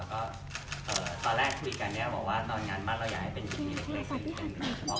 ตอนแรกคุยกันบอกว่าตอนงานบ้านเราอยากให้เป็นพิธีเล็ก